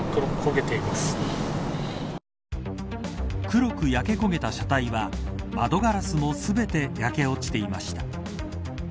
黒く焼けこげた車体は窓ガラスも全て焼け落ちていました。